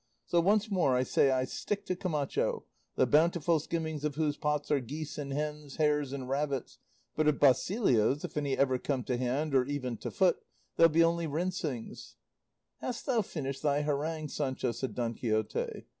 So once more I say I stick to Camacho, the bountiful skimmings of whose pots are geese and hens, hares and rabbits; but of Basilio's, if any ever come to hand, or even to foot, they'll be only rinsings." "Hast thou finished thy harangue, Sancho?" said Don Quixote.